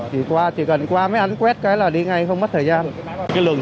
chỉ cần qua mới ăn quét cái là đi ngay không mất thời gian